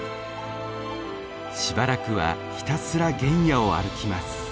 しばらくはひたすら原野を歩きます。